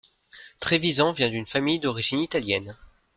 Trevisan vient d’une famille d’origine italienne.